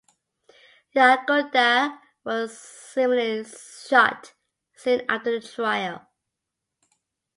Yagoda was summarily shot soon after the trial.